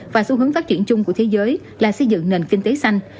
và xu hướng phát triển chung của thế giới là xây dựng nền kinh tế xanh